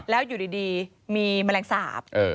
แล้วอยู่ดีมีแมลงสาป